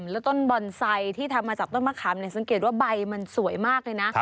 แล้วต้นบอนไซด์ที่ทำมาจากปลายมันสวยมากเลยนะ